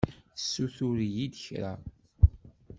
Tessuter-iyi-d kra.